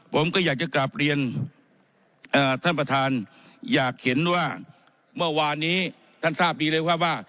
ผมก็อยากจะกลับเรียนท่านประธานอยากเห็นว่าเมื่อวานนี้ท่านทราบดีเลยครับว่า